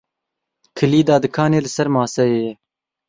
Kilîda dikanê li ser maseyê ye.